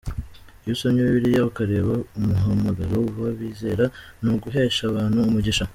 Iyo usomye Bibiliya, ukareba umuhamagaro w’abizera, ni uguhesha abantu umugisha.